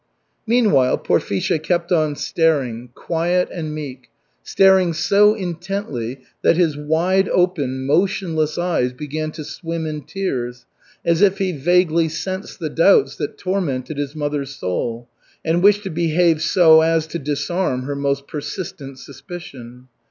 Meanwhile Porfisha kept on staring, quiet and meek, staring so intently that his wide open, motionless eyes began to swim in tears, as if he vaguely sensed the doubts that tormented his mother's soul, and wished to behave so as to disarm her most persistent suspicion.